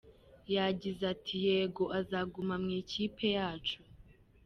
Yagize ati “Yego azaguma mu ikipe yacu.